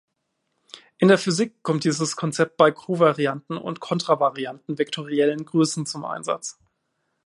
In der Physik kommt dieses Konzept bei kovarianten und kontravarianten vektoriellen Größen zum Einsatz.